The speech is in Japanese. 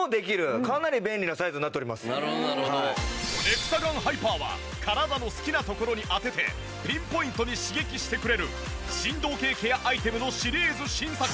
エクサガンハイパーは体の好きなところに当ててピンポイントに刺激してくれる振動系ケアアイテムのシリーズ新作。